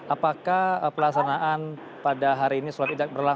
apakah pelasanaan pada hari ini sholat ijak berlaku